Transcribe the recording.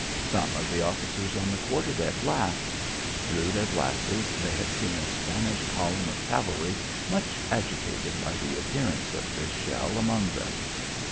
Some of the officers on the quarter deck laughed. Through their glasses they had seen a Spanish column of cavalry much agitated by the appearance of this shell among them.